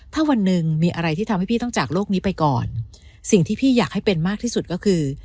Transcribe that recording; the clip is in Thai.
ถ้าวันหนึ่งมีอะไรที่ทำให้พี่ต้องจากโลกนี้ไปก่อนสิ่งที่พี่อยากให้เป็นมากที่สุดก็คือ